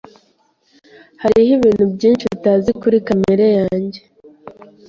Hariho ibintu byinshi utazi kuri kamere yanjye.